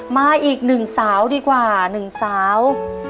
มาอีกหนึ่งสาวดีกว่าหนึ่งสาว